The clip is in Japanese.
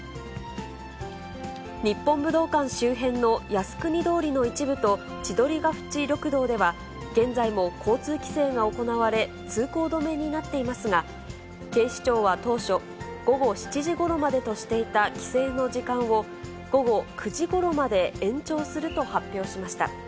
日本武道館周辺の靖国通りの一部と千鳥ヶ淵緑道では、現在も交通規制が行われ、通行止めになっていますが、警視庁は当初、午後７時ごろまでとしていた規制の時間を、午後９時ごろまで延長すると発表しました。